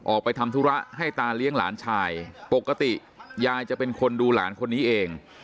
ออกไปทำธุระให้ตาเลี้ยงหลานชายปกติยายจะเป็นคนดูหลานคนนี้เอง